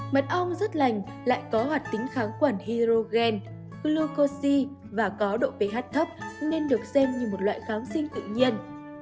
mật ong rất lành lại có hoạt tính kháng quản hydrogen glucoside và có độ ph thấp nên được xem như một loại kháng sinh tự nhiên